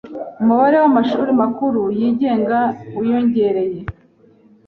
Umubare w’amashuri makuru yigenga wiyongereye.